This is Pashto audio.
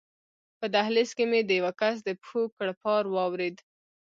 په دهلېز کې مې د یوه کس د پښو کړپهار واورېد.